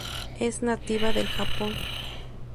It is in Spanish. Es nativa del Japón.